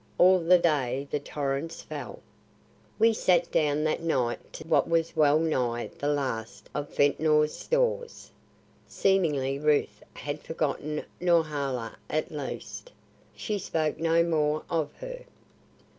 All the day the torrents fell. We sat down that night to what was well nigh the last of Ventnor's stores. Seemingly Ruth had forgotten Norhala; at least, she spoke no more of her.